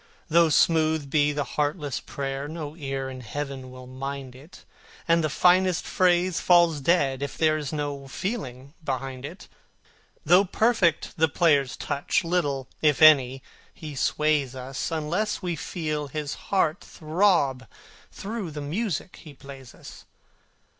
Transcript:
Though smooth be the heartless prayer, no ear in Heaven will mind it, And the finest phrase falls dead if there is no feeling behind it. Though perfect the player's touch, little, if any, he sways us, Unless we feel his heart throb through the music he plays us.